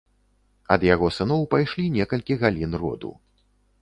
Ад яго сыноў пайшлі некалькі галін роду.